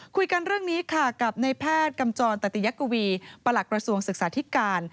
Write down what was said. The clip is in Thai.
คุยกันเรื่องนี้ค่ะกับในแพทย์กำจรตติยกวีประหลักกระทรวงศึกษาธิการ